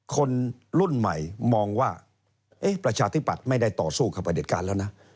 คนรุ่นใหม่มองว่าประชาธิปัตย์ไม่ได้ต่อสู้กับประเด็จการแล้วนะ